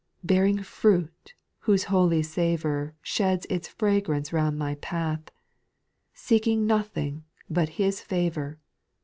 Bearing fruit, whose holy savour Sheds its fragrance round my path, Seeking nothing but His favour.